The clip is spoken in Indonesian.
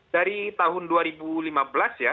dari tahun dua ribu lima belas ya